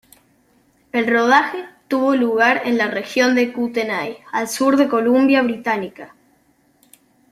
El rodaje tuvo lugar en la región de Kootenay, al sur de Columbia Británica.